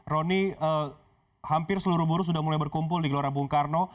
roni hampir seluruh buruh sudah mulai berkumpul di gelora bung karno